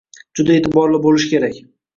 Juda eʼtiborli boʻlish kerak.